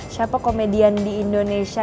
siapa komedian di indonesia